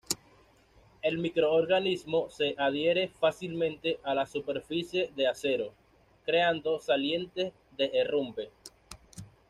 El microorganismo se adhiere fácilmente a superficies de acero, creando salientes de herrumbre.